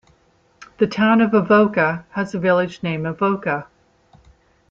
The Town of Avoca has a village named Avoca.